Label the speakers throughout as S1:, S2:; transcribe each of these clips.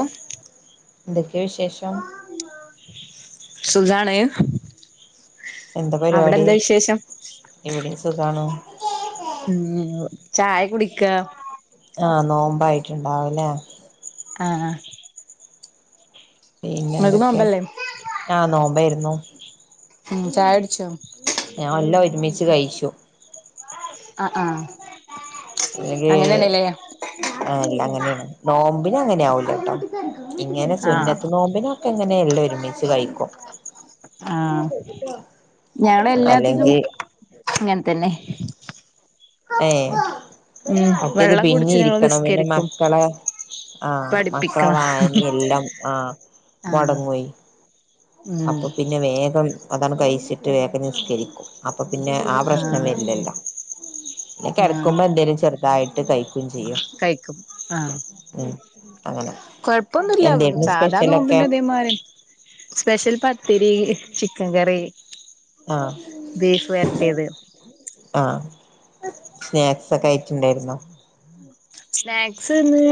S1: ഓ
S2: എന്തൊക്കെ വിശേഷം
S1: സുഖാണ്
S2: എന്താ
S1: അവിടെ
S2: പരിപാടി
S1: എന്താ വിശേഷം
S2: ഇവിടെം സുഖാണ്
S1: ഉം ചായ കുടിക്ക
S2: ആഹ് നോമ്പായിട്ടുണ്ടാവുലേ
S1: ആഹ്
S2: പിന്നെ
S1: ഇങ്ങക്ക്
S2: എന്തൊക്കെയ
S1: നോമ്പല്ലേ
S2: ആഹ് നോമ്പായിരുന്നു
S1: ഉം ചായകുടിച്ചോ
S2: ട് കയ്ച്ചു
S1: ആഹ് ആഹ്
S2: അല്ലങ്കി
S1: അങ്ങനെയാണല്ലേ
S2: ആ അല്ല അങ്ങനെണ് നോമ്പിന അങ്ങനെ ആവൂലാ ട്ടോ ഇങ്ങനെ
S1: ആഹ്
S2: സുന്നത്ത് നോമ്പിനൊക്കെ ഇങ്ങനെ എല്ലാം ഒരുമിച്ച് കഴിക്കും
S1: ആഹ് ഞങ്ങള് എല്ലാത്തിലും
S2: അല്ലെങ്കിൽ
S1: അങ്ങനെ തന്നെ
S2: ഏഹ്
S1: ഉം
S2: മറ്റേത്
S1: വെള്ളം കുടിച്ച്
S2: പിന്നിം
S1: ഞങ്ങള്
S2: ഇരിക്കണം പിന്നെ
S1: നിസ്കരിക്കും
S2: മക്കളെ ആഹ് മക്കളെ
S1: പഠിപ്പിക്കണം
S2: വായന എല്ലാം ആഹ്
S1: ആഹ്
S2: മൊടങ്ങുവേ
S1: ഉം
S2: അപ്പൊ പിന്നെ വേഗം അതാണ് കഴിച്ചിട്ട് വേഗം നിസ്കരിക്കും അപ്പ് അപ്പൊ പിന്നെ ആ പ്രശ്നം
S1: ആഹ്
S2: വരില്ലല്ലോ ന്നെ
S1: ആഹ്
S2: കെടക്കുമ്പം എന്തേലും ചെറുതായിട്ട് കയ്
S1: കഴിക്കും ആഹ്
S2: ഉം അങ്ങനെ
S1: കൊഴപ്പൊന്നുല്ല
S2: എന്തേരുന്നു
S1: സാധാരണ
S2: സ്പെഷ്യലൊക്കെ
S1: നോമ്പിന്റെ തേമാതി സ്പെഷ്യൽ പത്തിരി ചിക്കൻ കറി
S2: ആഹ്
S1: ബീഫ് വരട്ടിയത്
S2: ആഹ് സ്നാക്സൊക്കെ അയിട്ടുണ്ടാരുന്നോ
S1: സ്നാക്സ് ഇന്ന്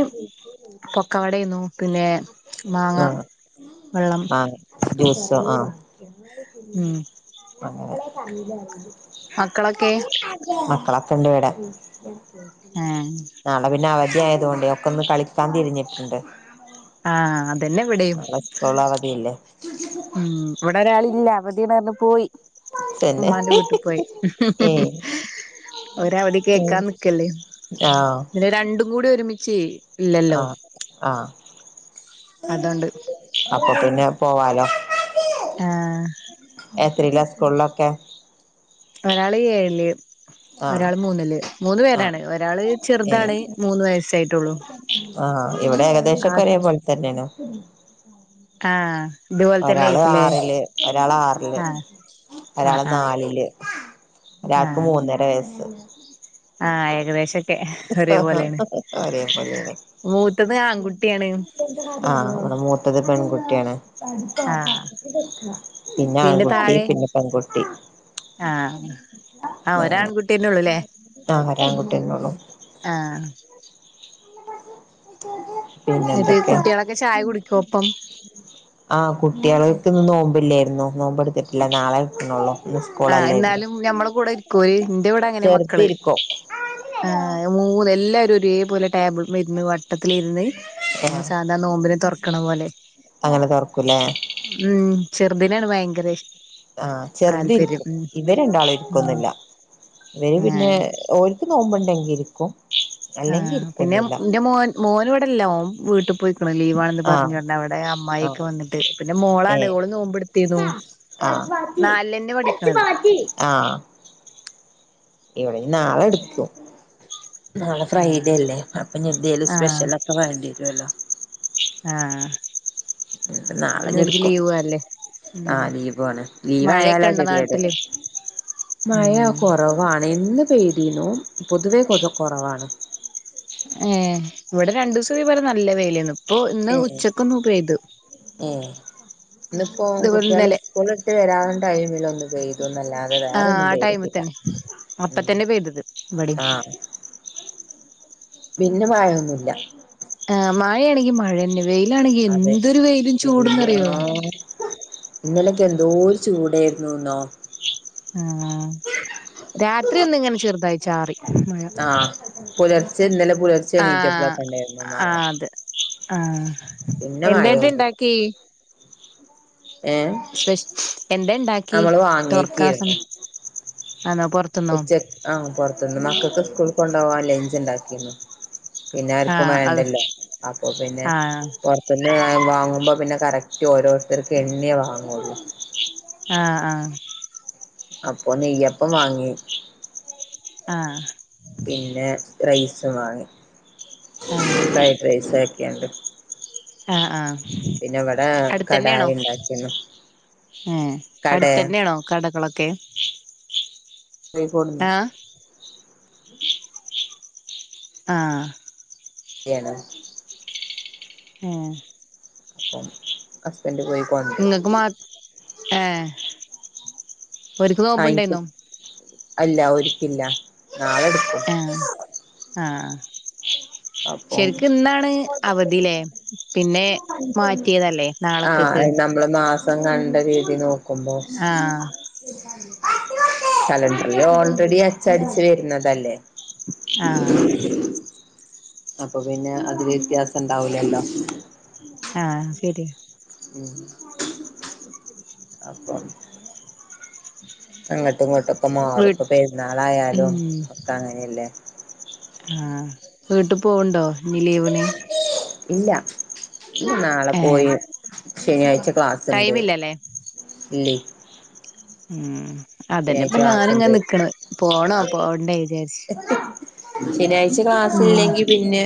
S1: പൊക്ക്കാവടയ്ന്നു പിന്നെ മാങ്ങ
S2: ആഹ്
S1: വെള്ളം
S2: മാങ്ങ ജ്യൂസോ ആഹ്
S1: ഉം
S2: [unintelligible]
S1: മക്കളൊക്കെ
S2: കൊണ്ട് വിടെ
S1: ഏഹ്
S2: നാളെ പിന്ന അവ ദ്യായതുകൊണ്ടേ ഒക്കെ ഒന്ന് കളിക്കാൻ തിരിഞ്ഞിട്ടുണ്ട്
S1: ആഹ് അതെന്നെ ഇവിടെയും
S2: നാളെ സ്കൂൾ അവധിയല്ലേ
S1: ഉം ഇവിടെ ഒരാളില്ല അവധി ന്നർഞ്ഞ്
S2: തന്നെ
S1: ഉമ്മാന്റെ വീട്ട് പോയി
S2: ഏഹ്
S1: ഒരവദി
S2: ഏഹ്
S1: കേക്കാൻ നിക്കല്ലേ
S2: ആഹ്
S1: ഇതിനെ രണ്ടും കൂടി ഒരുമിച്ച് ഇല്ലല്ലോ
S2: ആഹ് ആഹ്
S1: അതോണ്ട്
S2: അത് പിന്നെ പോവാലോ
S1: ആഹ്
S2: എത്രിലാ സ്കൂളിലൊക്കെ
S1: ഒരാള് ഏഴില്
S2: ആഹ്
S1: ഒരാള് മൂന്നില് മൂന്ന്
S2: ആഹ്
S1: പേരാണ് ഒരാള്
S2: ഏഹ്
S1: ചെറുതാണ് മൂന്ന് വയസ്സായിട്ടുള്ളൂ ആഹ്
S2: അത് പോലെ തന്നെണ്
S1: ആഹ് ഇതുപോലെ തന്നെ
S2: ഒരാള്
S1: ആയിരിക്കുല്ലേ
S2: ആറില് ഒരാള് ആറില്
S1: ആഹ് ആഹ്
S2: ഒരാള്
S1: ആഹ്
S2: നാലില് ഒരാൾക്ക്
S1: ആഹ്
S2: മൂന്നര വയസ്സ്
S1: ആഹ് ഏകദേശ
S2: ഹ ഹ ഒരേ പോലെ ലെ
S1: മൂത്തത് ആൺകുട്ടിയാണ്
S2: ആഹ് ഇവടെ മൂത്തത് പെൺകുട്ടിയാണ്
S1: ആഹ്
S2: പിന്നെ ആൺകുട്ടി പിന്നെ പെൺകുട്ടി
S1: ആഹ് ആഹ് ഒരാൺകുട്ടിന്നെള്ളൂല്ലേ
S2: ഒര് ആൺകുട്ടിന്നുള്ളു
S1: ആ
S2: [unintelligible] പിന്നെ
S1: എന്നിട്ട്
S2: എന്തൊക്കെയാ
S1: കുട്ടികളൊക്കെ ചായ കുടിക്കോ ഒപ്പം
S2: അ കു കുട്ടികൾക്ക് ഇന്ന് നോമ്പില്ലായിരുന്നു നോമ്പ് എടുത്തിട്ടില്ല നാളെ എടുക്കണൊള്ളു
S1: അ എന്നാലും ഞമ്മള് കൂടെ ഇരിക്കുവേ എന്റെ കൂടെ അങ്ങനെ മക്കള്
S2: ചെറുതിരിക്കും
S1: ആ മൂന്ന് എല്ലാരും ഒ ഒരേ പോലെ ടേബിളിമ്മേ ഇരുന്ന് വട്ടത്തില് ഇരുന്ന് നമ്മൾ
S2: ആഹ്
S1: സാധാരണ നോമ്പിന് തുറക്കണ പോലെ
S2: അങ്ങനെ തുറക്കും ഇല്ലേ
S1: ഉം ചെറുതിനാണ് ഭയങ്കര ഇഷ്
S2: ആ ചെറുതി
S1: താല്പര്യം
S2: ക്കും ഇവര് രണ്ടാളും
S1: ഉം
S2: ഇരിക്കൊന്നുല്ല ഇവര് പിന്നെ
S1: ഏഹ്
S2: ഓൽക്ക് നോമ്പുണ്ടെങ്കി ഇരിക്കും അല്ലെങ്കി
S1: ആപിന്നെ
S2: ഇരിക്കൊന്നുല്ല
S1: എന്റെ മോൻ മോന് ഇവിടല്ല മോൻ വീട്ട് ലീവാണെന്ന്
S2: ആഹ്
S1: പറഞ്ഞോണ്ട് അവിടെ അമ്മായിയൊക്കെ
S2: ആഹ്
S1: വന്നിട്ട് പിന്നെ മോളാണ് മോള് നോമ്പെടുത്തിരുന്നു
S2: ആ [unintelligible] ആ ഇവിടെ നാളെ എടുക്കും നാളെ
S1: ആഹ്
S2: ഫ്രൈഡേ അല്ലേ അപ്പൊ ഇനി എന്തേലും സ്പെഷ്യല് ഒക്കെ വേണ്ടി വരുവല്ലോ
S1: ആ
S2: നാളെ ഇനി എടുക്കും
S1: അല്ലേ
S2: അ
S1: ഉം
S2: ലീവുണ് ലീവ്
S1: മഴയൊക്കെ
S2: ആയാലാ
S1: ഇണ്ടോ
S2: കേധേഡ്
S1: നാട്ടില്
S2: മയ
S1: ഉം
S2: കുറവാണ് ഇന്ന് പെയ്തീനു പൊതുവേ കോ കൊറവാണ്
S1: ഹെ ഇവിടെ രണ്ടു ദിവസംഅത് പോലെ നല്ല വെയിലേന്നു പ്പോ ഇന്ന്
S2: ഏ
S1: ഉച്ചക്ക് ഒന്ന് പെയ്തു
S2: ഇന്നിപ്പോം കുട്ടികള് സ്കൂള് വിട്ട് വരാം ടൈമില് ഒന്ന് പെയ്തു അല്ലാതെ
S1: ആഹ്
S2: വേറൊന്നും
S1: ആ ടൈമിൽ
S2: പെയ്തിട്ടില്ല
S1: തന്നെ അപ്പ
S2: ഉം
S1: തന്നെ പെയ്തത് ഇവിടിം
S2: ആ പിന്നെ മഴയൊന്നുല്ല
S1: ആ മഴയാണെങ്കിൽ മഴന്നെ വെയിലാണെങ്കി
S2: അതെ
S1: എന്തൊരു വെയിലും ചൂട്ന്ന് അറിയോ
S2: ഇന്നലെയൊക്കെ എന്തോരു ചൂടായിരുന്നൂന്നോ
S1: ആ രാത്രി ഒന്ന് ഇങ്ങനെ ചെറുതായി ചാറി മഴ
S2: ആഹ് പുലർച്ചെ ഇന്നലെ പുലർച്ചെ എണീറ്റപ്പളൊക്കെ ഉണ്ടായിരുന്നു മഴ
S1: ആ
S2: പിന്നെ
S1: എന്നിട്ട്
S2: മഴയൊന്നുല്ല
S1: ഇണ്ടാക്കി
S2: ഏഹ്
S1: സ്പെഷ്യൽ എന്താ ഇണ്ടാക്കി
S2: നമ്മള്
S1: തൊർക്കാക്ക
S2: വാങ്ങിയേക്കായിരുന്നു ഉച്ചക്ക് അ പോറതിന്ന് മക്കൾക്ക് സ്കൂളിൽ കൊണ്ടോവാൻ ഉള്ളിന് ചല ക്കിന്നു പിന്നെ ആർക്കും
S1: ആഹ് അത്
S2: വേണ്ടല്ലോ അപ്പൊ പിന്നെ
S1: ആഹ്
S2: പൊറത്തൂന്ന് വാങ്ങുമ്പോ പിന്നെ കറക്റ്റ് ഓരോരുത്തർക്ക് എണ്ണിയേ വാങ്ങുള്ളൂ
S1: ആആ
S2: അപ്പൊ നെയ്യപ്പം വാങ്ങി
S1: ആ
S2: പിന്നെ റൈസ് വാങ്ങി
S1: ആഹ്
S2: ഫ്രൈഡ് റൈസ് ഒക്കെയുണ്ട്
S1: അ അ
S2: പിന്നെ ഇവിടെ കടായി ഉണ്ടാക്കിയിന്ന്
S1: ഏ അടുത്തന്നെയാണോ കടകളൊക്കെ
S2: പോയി കോട്ന്ന്
S1: ആഹ് ആ
S2: കുട്ടളെ
S1: ഹെ
S2: അപ്പം ഹസ്ബൻഡ് പോയി കൊണ്ടരും
S1: നിങ്ങക്ക്മാ ഏ ഒരിക്ക്
S2: ആ എനിക്ക്
S1: നോമ്പുണ്ടായിരുന്നോ
S2: അല്ല ഒൽക്കില്ല നാളെ എടുക്കും
S1: ഏഹ് ആഹ്
S2: ഓ അപ്പൊ
S1: ശരിക്കും ഇന്നാണ് അവധില്ലേ പിന്നെ മാറ്റിയതല്ലേ നാളെക്കക്ക്
S2: ആഹ് നമ്മള് മാസം കണ്ട രീതി നോക്കുമ്പോ
S1: ആഹ്
S2: കലണ്ടറിൽ ഓൾറെഡി അച്ചടിച്ച് വരുന്നതല്ലേ
S1: ആ
S2: അപ്പൊ പിന്നെ അതില് വ്യത്യാസം ഇണ്ടാവൂലല്ലോ
S1: ആഹ് ശരി
S2: ഉ അപ്പം അങ്ങോട്ടും ഇങ്ങോട്ടും ഒക്കെ
S1: വീ
S2: മാറും ഇപ്പ പെരുന്നാളായാലും
S1: ഉം
S2: ഒക്ക അങ്ങനെയല്ലേ
S1: വീട്ടിൽ പോവ്ണ്ടോ ഇനി ലീവിന്
S2: ഇല്ല നാളെ
S1: ഏഹ്
S2: പോയി ശനിയാഴ്ച ക്ലാസ്സുണ്ട്
S1: ടൈമില്ലല്ലേ
S2: ഇല്ലേ
S1: ഉം അതന്നെ
S2: ശനിയാഴ്ച
S1: ഇപ്പ ഞാന ഇങ്ങ
S2: ക്ലാസ്ണ്ട്
S1: നിക്കണത് പോണോ
S2: ആ
S1: പോണ്ടെ വിചാരിച്ച
S2: ശനിയാഴ്ച ക്ലാസ് ഇല്ലെങ്കി പിന്നെ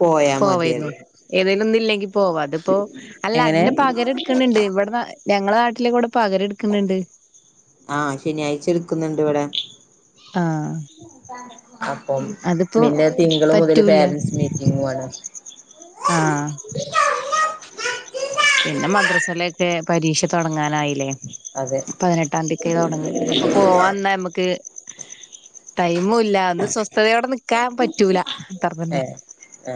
S2: പോയാ മതിയത്
S1: പോ വ ണ്ടിപ്പം അല്ല അതിന്റെ പകരം എടുക്കണണ്ട് ഇവിടെ ഞങ്ങളുടെ നാട്ടിലെ കൂടെ ഇപ്പൊ പകരം എടുക്കണണ്ട്
S2: ആ ശനിയാഴ്ച എടുക്കുന്നുണ്ട് ഇവിടെ
S1: ആഹ്
S2: അപ്പം
S1: അതിപ്പോ
S2: പിന്നെ തിങ്കള് മുതല് പേരന്റ്സ് മീറ്റിങ്ങു ആണ്
S1: ആ
S2: [unintelligible]
S1: പിന്നെ മദ്രസയില് ഒക്കെ പരീക്ഷ തുടങ്ങാനായില്ലേ
S2: അതെ
S1: പതിനെട്ടാംതിയക്ക തുടങ്ങി പിന്നെ ഇപ്പ പോവാന്നാ നമക്ക് ടൈം മുല്ല ഒന്ന് സ്വസ്ഥതയോടെ നിക്കാൻ പറ്റൂല
S2: ഏ
S1: അത്രന്നെ
S2: ആ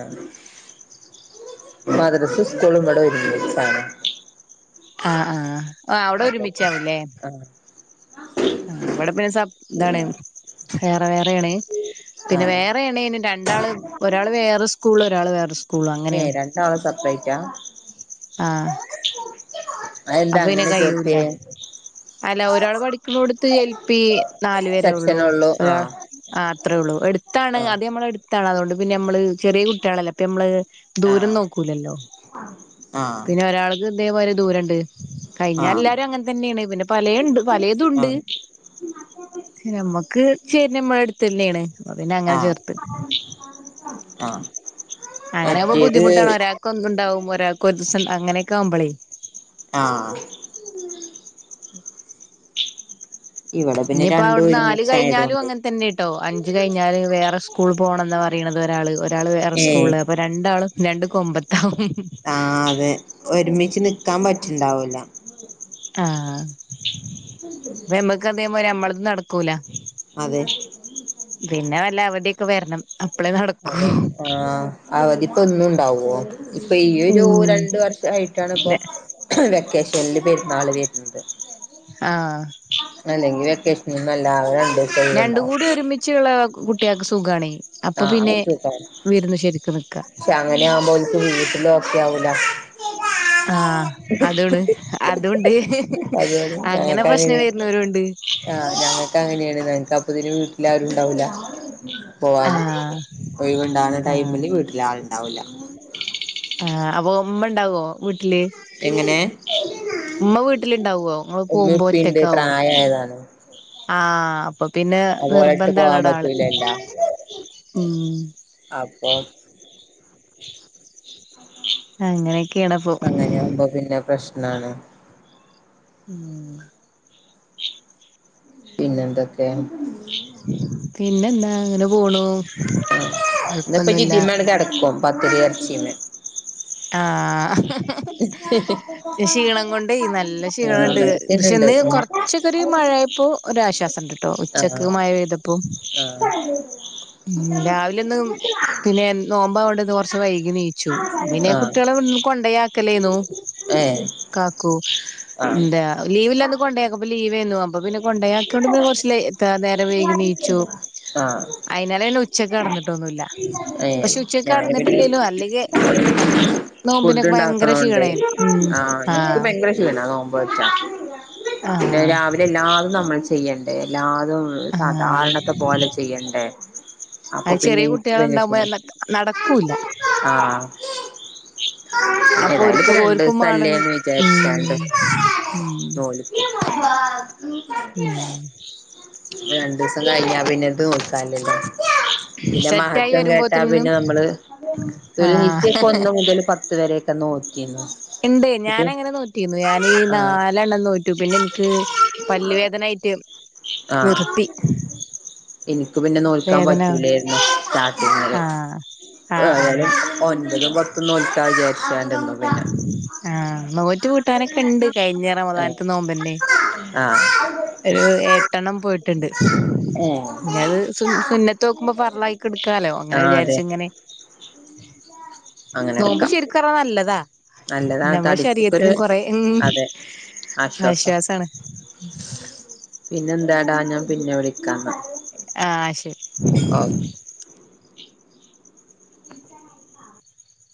S2: മദ്രസും സ്കൂളും ഇവിടെ ഒരുമിച്ചാണ്
S1: ആ ആ ഓ അവിടെ ഒരുമിച്ചാവൂല്ലേ
S2: ആ
S1: ആ അവിടെ പിന്നെ സ ഇതാണ് വേറെ വേറെയാണ്
S2: ആ
S1: പിന്നെ വേറെ ആണെലും രണ്ടാള് ഒരാൾ വേറെ സ്കൂള് ഒരാള് വേറെ സ്
S2: ഏ രണ്ടാള് സെപ്പറേറ്റാ
S1: ആഹ്
S2: അതെന്താ
S1: അപ്പം ഇനി
S2: അങ്ങനെ
S1: കഴിയൂല
S2: ചേർത്തിയേ
S1: അല്ല ഒരാൾ പഠിക്കുമ്പോടുത്ത് എൽ പി നാലു വരെ ഉള്ളു
S2: സെക്ഷനൊള്ളൂ ആ
S1: ഒരാൾ ആ അത്രേ ഉള്ളൂ എടുത്താണ്
S2: ആ
S1: അത് നമ്മൾടു ടുത്താണ് അതുകൊണ്ട് പിന്നെ നമ്മള് ചെറിയ കുട്ടികാളല്ലോ അപ്പൊ നമ്മള്
S2: ആ
S1: ദൂരം നോക്കൂലല്ലോ
S2: ആ
S1: പിന്നെ ഒരാൾക്ക് ഇതേ പോല ദൂരണ്ട് കഴിഞ്ഞാ എല്ലാരും
S2: ആ
S1: അങ്ങനെ തന്നെയാണ് പിന്നെ പലയുണ്ട് പലേ
S2: ആ
S1: തുംണ്ട് നമ്മക്ക് ചേരി നമ്മള അടുത്ത തന്നെയാണ് അപ്പോൾ അങ്ങനെ
S2: ആ
S1: ചേർത്ത്
S2: ആ
S1: അങ്ങനെ ആകുമ്പോ
S2: മറ്റേത്
S1: ബുദ്ധിമുട്ടാണ് ഒരാൾ ഒന്നുണ്ടാവും ഒരാൾക്ക് ഒരു ദിവസം അങ്ങനെയൊക്കെ ആവുമ്പോളേ
S2: ആ
S1: [unintelligible]
S2: ഇവിടെ പിന്നെ
S1: ഇനിയിപ്പോ
S2: രണ്ടും
S1: അവിടെ നാല് കഴിഞ്ഞാലും
S2: ഒരുമിച്ചായതുകൊണ്ട്
S1: അങ്ങനെ തന്നെ ട്ടോ അഞ്ച് കഴിഞ്ഞാല് വേറെ സ്കൂൾ പോകണംന്നാ പറണ ഒരാള് ഒരാള് വേറെ
S2: ഏ
S1: സ്കൂള്ള അപ്പൊ രണ്ടാലും രണ്ട് കൊമ്പത്താവും
S2: എണീച്ചു നിക്കാൻ പറ്റിണ്ടാവൂല
S1: ആ അപ്പ നമ്മക്ക് അതേ അമ്മളന്നും നടക്കൂല
S2: അതെ
S1: പിന്നെ വല്ല അവധിയൊക്കെ വരണം അപ്പളേ നടക്കൂ
S2: അതെ ആ അവധി ഒന്നും ഉണ്ടാവോ ഇപ്പൊ ഈ ഒരു
S1: ഉം
S2: രണ്ട് വർഷായിട്ടാണ് ഇപ്പൊ വെക്കേഷൻ എല്ല് പേര് നാളു പേരുണ്ട്
S1: ആ
S2: വെക്കേഷനൊന്നും അല്ല ആകെ രണ്ടീസം
S1: രണ്ട്
S2: ഒഴിവുണ്ടാവും
S1: കൂടി ഒരുമിച്ചുള്ള കുട്ടികൾക്ക് സുഖാണെ
S2: ആ ആക്ക
S1: നിക്കാ
S2: പക്ഷെ അങ്ങനെ ആവുമ്പോലെന്ത് ചെയ്യും ലോ ഓക്കെ ആവൂല
S1: ആ അതാണ് അതൊണ്ട് അങ്ങനെ പ്രശ്നം വരുന്നവരും ഉണ്ട്.
S2: ആ ഞങ്ങൾക്ക് അങ്ങനെയാണ് പുതിന് വീട്ടിലാരും ഉണ്ടാവൂല്ല പോകാനും
S1: ആഹ്
S2: ഒയുവുണ്ടാകുന്ന
S1: ആഹ്
S2: ടൈമില് വീട്ടില് ആളുണ്ടാവില്ല
S1: ആ അപ്പൊ ഉമ്മ ഉണ്ടാവോ വീട്ടില്
S2: എങ്ങനെ
S1: ഉമ്മ വീട്ടിലുണ്ടാവുവോ നിങ്ങളു
S2: ഉമ്മീം
S1: പോകുമ്പോ
S2: ഉപ്പീണ്ട്
S1: ഒറ്റക്കാവോ ആ അപ്പ
S2: അത് പോലട്ട് പോവാൻ പറ്റൂലല്ലാ
S1: ഉം
S2: അപ്പൊ
S1: അങ്ങനെ
S2: അങ്ങനെയാകുമ്പോ പിന്നെ പ്രശ്നാണ്.
S1: ഉം [unintelligible]
S2: പിന്നെന്തൊക്കെയാ
S1: പിന്നെന്താ അങ്ങനെ പോണു
S2: ഉം ഇന്നിപ്പോ
S1: കൊഴപ്പൊന്നുല്ല
S2: ജിതിമ്മേ കിടക്കും പത്തിരി ഇറച്ചിയുമ്മേ
S1: ആ ക്ഷീണം കൊണ്ട് നല്ല ക്ഷീണം
S2: ആഹ്
S1: ഉണ്ട്
S2: ന്നട്ട്
S1: പക്ഷെ
S2: തിന്ന്ണ്ട്
S1: ഇന്ന് കൊറച്ചൊക്കെ ഒരു മഴ ഴായപ്പോ ഒരാശ്വാസം ഉണ്ട് ട്ടോ
S2: ആഹ്
S1: ഉച്ചക്ക് മഴ പെയ്യ്തപ്പോ
S2: ആഹ്
S1: ഉം രാവിലെ ഒന്ന് പിന്നെ നോമ്പാവാണ്ട് കൊറച്ച് വൈകിഎണീച്ചു പിന്നെ
S2: ആഹ്
S1: കുട്ടികളെ കൊണ്ട കൊണ്ടോയി ആക്കലേന്നു
S2: ഏഹ്
S1: കാക്കൂ
S2: ആഹ്
S1: ല്ല ലീവില്ലന്ന് കൊണ്ടയാക്ക അപ്പ ലീവായിരുന്നു അപ്പ പിന്നെ കൊണ്ടയാക്കോണ്ട്ന്നെ കുറ നേരെ വൈകി എണീ ച്ചു
S2: ആഹ്
S1: അയിതിനാലെ ഉച്ചക്ക് കിടന്നിട്ടൊന്നുമില്ല
S2: ഏഹ്
S1: പശേ ഉച്ചക്ക്
S2: ഞാന് പിന്നെ
S1: കടന്നിട്ടില്ലേലോ അല്ലങ്കേ
S2: ഫുഡ് ഉണ്ടാക്കണോണ്ടേ
S1: ഉം
S2: ആ എനിക്ക്
S1: ആഹ്
S2: ഭയങ്കരഷ് നോമ്പ് വെടിച്ച പിന്നെ
S1: ആഹ്
S2: രാവിലെ എല്ലാതും നമ്മൾ ചെയ്യണ്ടേ എല്ലാ അതും
S1: ആഹ്
S2: സാധാരണത്തെ പോലെ ചെയ്യണ്ടേ അപ്പൊ
S1: അത്
S2: പിന്നെ
S1: ചെറിയ കുട്ടികളുണ്ടാവുമ്പോ നടക്കൂല്ല
S2: ആ
S1: അപ്പൊ
S2: ഏതായാലും
S1: ഓര്ക്ക്
S2: ഇപ്പോ രണ്ടു
S1: ഓര്ക്കും
S2: ദിവസം
S1: വേണം
S2: അല്ലേന്ന്
S1: ഉം
S2: വിചാരിച്ചാണ് അ
S1: ഉം
S2: നോൽ
S1: ഉം
S2: രണ്ടു ദിവസം കഴിഞ്ഞ പിന്നെത് ല്ല പിന്നെ
S1: സെറ്റായി
S2: മഹത്വം കേട്ടാ
S1: വരുമ്പോത്തിനൊന്നും
S2: പിന്നെ നമ്മള്
S1: ആഹ്
S2: ദുൽഹിജ്ജക്ക ഒന്ന് മുതൽ പത്ത് വരക്കെ
S1: എന്തേ ഞാന അങ്ങനെ നോറ്റിരുന്നു ഞാനീ
S2: ആഹ്
S1: നാലെണ്ണം നോറ്റു പിന്നെ എനിക്ക് പല്ല് വേദന
S2: ആഹ്
S1: നിർത്തി
S2: എനിക്ക് പിന്നെ നോൽക്കാൻ
S1: വേദനാണ്
S2: പറ്റൂലായിരുന്നു പിന്ന
S1: ആഹ് ആഹ്
S2: ഏതാലും ഒൻപതും പത്തൊന്നും ഉൽക്കാച
S1: ആ നോറ്റ് വീട്ടാനൊക്കെ ഉണ്ട് കഴിഞ്ഞേറ
S2: ആഹ്
S1: റമതാനത്ത് നോമ്പന്നെ
S2: ആഹ്
S1: ഒരു എട്ടെണ്ണം പോയിട്ടുണ്ട് ഇന്ന അത് സ സുന്നത്ത് നോക്കുമ്പോ പറളായി എടുക്കാലോ അങ്ങനെ
S2: ആഹ് അതെ
S1: വിചാരിച്ച ഇങ്ങനെ
S2: അങ്ങനെ
S1: നോമ്പ്
S2: എടുക്കാം
S1: ശരിക്കും പറ നല്ലതാ
S2: നല്ലതാണ്
S1: നമ്മുടെ
S2: തടിക്കൊക്കൊരു
S1: ശരീരത്തിനും കൊറെ
S2: അതെ ആശ്വാസാ
S1: ആശ്വാസാണ് ഉ
S2: പിന്നെ എന്താടാ ഞാൻ പിന്നെ വിളിക്കാന്ന
S1: ആഹ ശരി